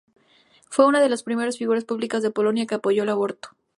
Fue una de las primeras figuras públicas de Polonia que apoyó el aborto.